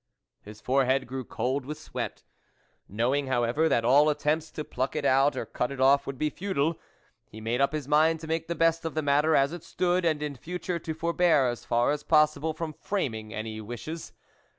His forehead grew cold with sweat. Knowing, however, that all attempts to pluck it out or cut it off would be futile, ic made up his mind to make the best of :he matter as it stood, and in future to forbear as far as possible from framing any wishes.